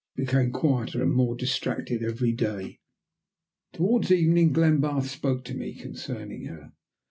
She became quieter and more distracted every day. Towards the evening Glenbarth spoke to me concerning her.